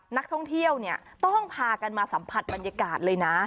นักท่องเที่ยวเนี่ยต้องพากันมาสัมผัสบรรยากาศเลยนะ